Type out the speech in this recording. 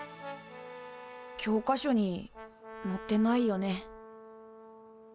教科書にのってないよね。